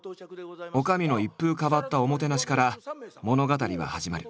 女将の一風変わったおもてなしから物語は始まる。